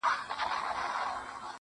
هغي نجلۍ چي زما له روحه به یې ساه شړله~